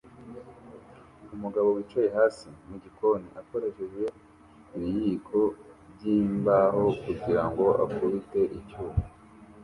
Umugabo wicaye hasi mugikoni akoresheje ibiyiko byimbaho kugirango akubite icyuma